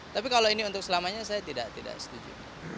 tapi kalau ini untuk selamanya saya tidak setuju